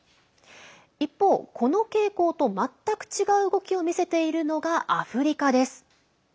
一方、この傾向と全く違う動きを見せているのがアフリカです。